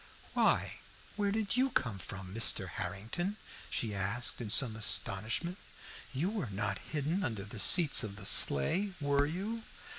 "Why, where did you come from, Mr. Harrington?" she asked in some astonishment. "You were not hidden under the seats of the sleigh, were you?"